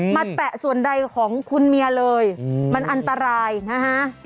แตะส่วนใดของคุณเมียเลยมันอันตรายนะฮะ